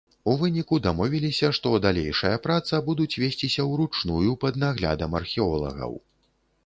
У выніку дамовіліся, што далейшая праца будуць весціся ўручную пад наглядам археолагаў.